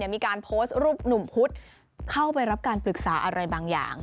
มีการโพสต์รูปหนุ่มพุธเข้าไปรับการปรึกษาอะไรบางอย่าง